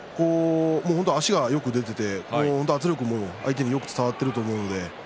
足がよく出ていて圧力も相手によく伝わっていると思います。